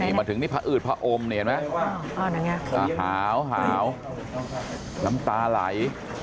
นี่มาถึงนี่พระอืดพระอมเห็นไหมหาวน้ำตาไหล